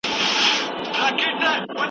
موږ باید د خپلو اوبو د لګښت سمه اداره وکړو.